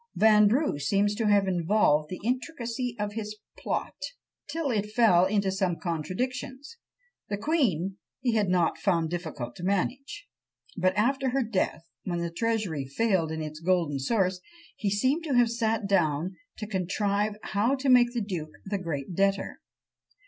Vanbrugh seems to have involved the intricacy of his plot, till it fell into some contradictions. The queen he had not found difficult to manage; but after her death, when the Treasury failed in its golden source, he seems to have sat down to contrive how to make the duke the great debtor.